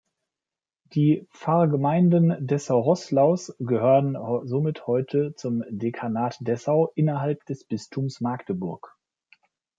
Die Pfarrgemeinden Dessau-Roßlaus gehören somit heute zum Dekanat Dessau innerhalb des Bistums Magdeburg.